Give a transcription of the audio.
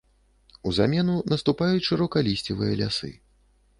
У замену наступаюць шырокалісцевыя лясы.